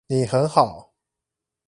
你很好